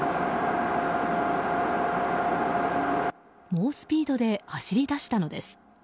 猛スピードで走り出したのです。